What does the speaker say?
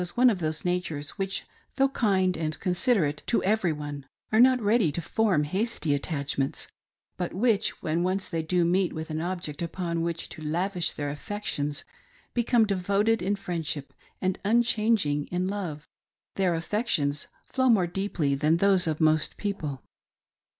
one of those natures which, though kind and considerate^ tq e^i^ery one, are not ready to form hasty attachments, but which, when once they do meet with an object upon which to, lavish their affections, become devoted in friendship and unchanging in love. Their affections flow more deeply than those of most people.